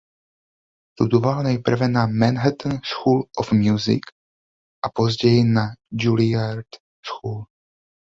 Studoval nejprve na Manhattan School of Music a později na Juilliard School.